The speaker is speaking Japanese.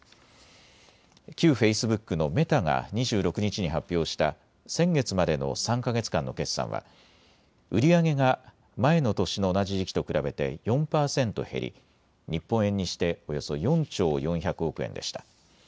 旧フェイスブックのメタが２６日に発表した先月までの３か月間の決算は売り上げが前の年の同じ時期と比べて４％減り日本円にしておよそ４兆４００億円でした。